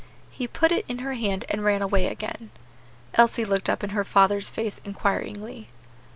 He put it in her hand, and ran away again. Elsie looked up in her father's face inquiringly.